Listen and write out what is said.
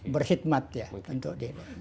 berkhidmat ya untuk dia